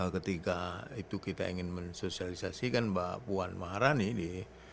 ketika itu kita ingin mensosialisasikan mbak puan maharani ini